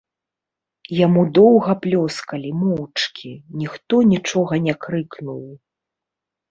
Яму доўга плёскалі, моўчкі, ніхто нічога не крыкнуў.